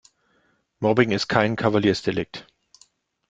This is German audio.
Mobbing ist kein Kavaliersdelikt.